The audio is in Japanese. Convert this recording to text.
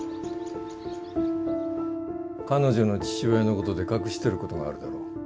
彼女の父親のことで隠してることがあるだろ？